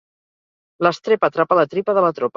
L'estrep atrapa la tripa de la tropa.